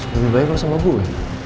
lebih baik kalau sama gue